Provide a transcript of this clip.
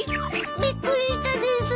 びっくりしたです。